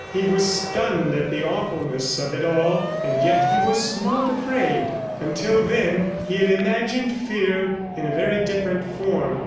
He was stunned with the awfulness of it all, and yet he was not afraid. Until then, he had imagined fear in a very different form.